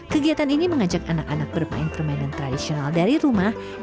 kegiatan ini mengajak anak anak bermain permainan tradisional dari rumah